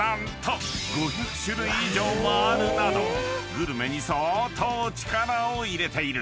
［グルメに相当力を入れている］